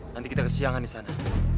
nanti kita kesiangan di sana